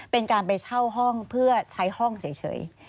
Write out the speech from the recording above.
ตามไปเช่าห้องเพื่อใช้ห้องเฉย